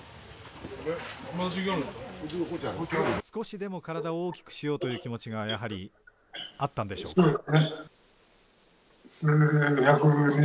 少しでも体を大きくしようという気持ちがやはりあったんでしょうか？